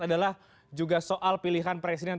adalah juga soal pilihan presiden